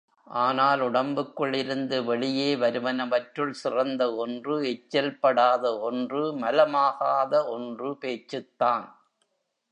ஆனால் உடம்புக்குள் இருந்து வெளியே வருவனவற்றுள் சிறந்த ஒன்று, எச்சில் படாத ஒன்று, மலமாகாத ஒன்று பேச்சுத் தான்.